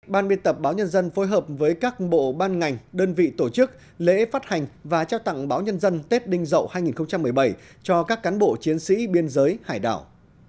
ban biên tập báo nhân dân phối hợp với các bộ ban ngành đơn vị tổ chức lễ phát hành và trao tặng báo nhân dân tết đinh dậu hai nghìn một mươi bảy cho các cán bộ chiến sĩ biên giới hải đảo